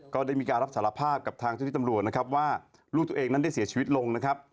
ก็ได้มีการรับสารภาพกับทางเจ้าที่ตำรวจนะครับว่าลูกตัวเองนั้นได้เสียชีวิตลงนะครับ